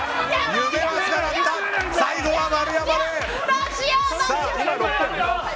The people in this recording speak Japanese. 最後は丸山礼！